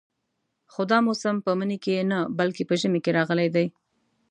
خو دا موسم په مني کې نه بلکې په ژمي کې راغلی دی.